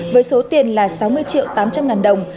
với số tiền là sáu mươi triệu tám trăm linh ngàn đồng